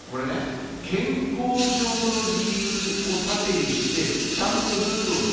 健康上の理由を盾にしてちゃんとルールを作る。